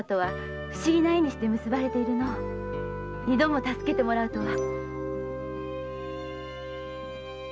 二度も助けてもらうとは。